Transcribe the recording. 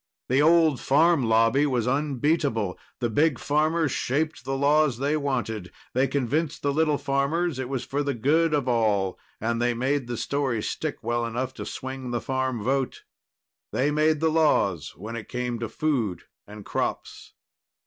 The old Farm Lobby was unbeatable. The big farmers shaped the laws they wanted. They convinced the little farmers it was for the good of all, and they made the story stick well enough to swing the farm vote. They made the laws when it came to food and crops.